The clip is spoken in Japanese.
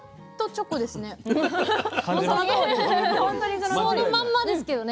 そのまんまですけどね